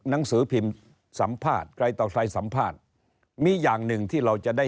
หนังสือพิมพ์สัมภาษณ์ใครต่อใครสัมภาษณ์มีอย่างหนึ่งที่เราจะได้